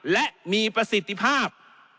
และมีประสิทธิภาพ